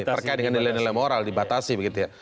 terkait dengan nilai nilai moral dibatasi begitu ya